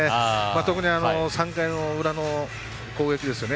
特に３回の裏の攻撃ですよね。